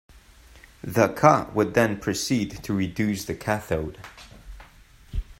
The Ca would then proceed to reduce the cathode.